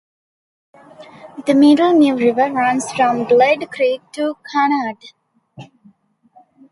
The Middle New river runs from Glade Creek to Cunard.